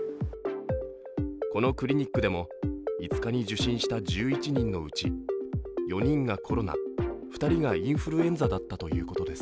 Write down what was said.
このクリニックでも５日に受診した１１人のうち４人がコロナ、２人がインフルエンザだったということです。